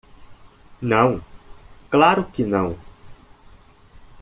Não? claro que não.